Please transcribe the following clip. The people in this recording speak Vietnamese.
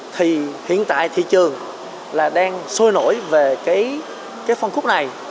thì hiện tại thị trường là đang sôi nổi về cái phân khúc này